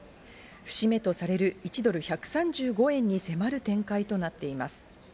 節目とされる１ドル１３５円に迫る展開となっています。